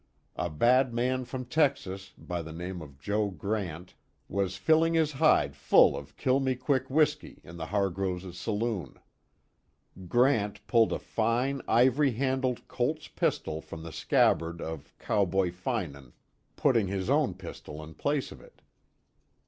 A bad man from Texas, by the name of Joe Grant, was filling his hide full of "Kill me quick" whiskey, in the Hargroves' saloon. Grant pulled a fine, ivory handled Colt's pistol from the scabbard of Cowboy Finan, putting his own pistol in place of it.